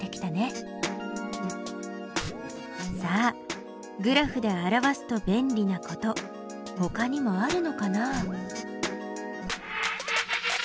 さあグラフで表すと便利なことほかにもあるのかな？